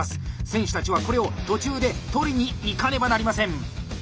選手たちはこれを途中で取りにイカねばなりません。